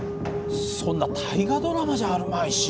そんな「大河ドラマ」じゃあるまいし。